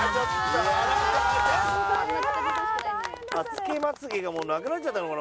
つけまつ毛がもうなくなっちゃったのかな？